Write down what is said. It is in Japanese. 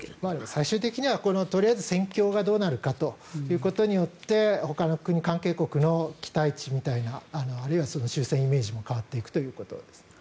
最終的には戦況がどうなるかによってほかの国、関係国の期待値みたいなあるいは終戦イメージも変わっていくということですね。